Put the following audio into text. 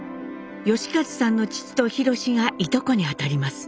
美一さんの父と廣がいとこにあたります。